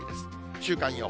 週間予報。